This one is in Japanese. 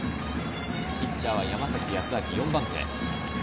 ピッチャーは山崎康晃、４番手。